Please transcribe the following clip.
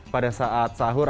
pada saat sahur